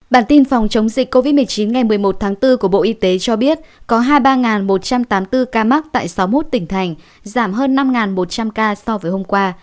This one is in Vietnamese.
bản tin phòng chống dịch covid một mươi chín ngày một mươi một tháng bốn của bộ y tế cho biết có hai mươi ba một trăm tám mươi bốn ca mắc tại sáu mươi một tỉnh thành giảm hơn năm một trăm linh ca so với hôm qua